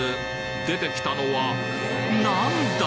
出てきたのは何だ！？